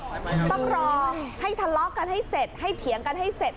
ต้องรอให้ทะเลาะกันให้เสร็จให้เถียงกันให้เสร็จ